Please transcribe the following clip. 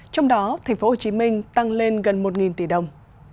trong đó tp hcm tăng lên gần một tỷ đồng